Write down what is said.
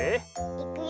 いくよ。